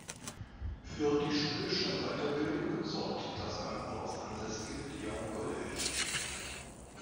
Für die schulischer Weiterbildung sorgt das am Ort ansässige Lyon College.